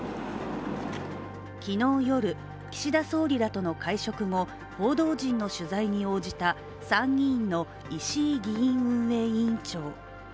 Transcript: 昨日夜、岸田総理らとの会食後、報道陣の取材に応じた参議院の石井議院運営委員長。